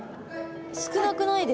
少なくないですか？